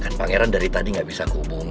kan pangeran dari tadi gak bisa aku hubungi